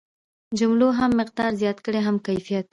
جملو هم مقدار زیات کړ هم کیفیت.